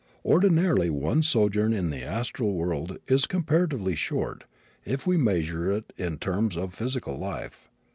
Ordinarily one's sojourn in the astral world is comparatively short, if we measure it in the terms of physical life.